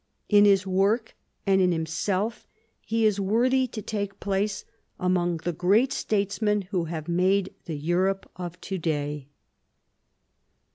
In his work and in himself he is worthy to take place among the great statesmen who have made the Europe of to day.